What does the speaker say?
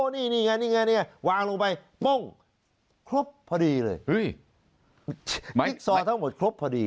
นี่ไงนี่ไงวางลงไปปุ้งครบพอดีเลยจิ๊กซอร์ทั้งหมดครบพอดี